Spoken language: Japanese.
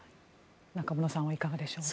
中室さんはいかがでしょう？